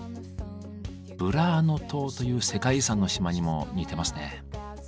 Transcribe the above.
ブラーノ島という世界遺産の島にも似てますね。